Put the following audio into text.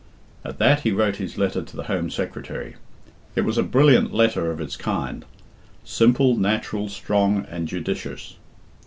At that he wrote his letter to the Home Secretary. It was a brilliant letter of its kind, simple, natural, strong, and judicious.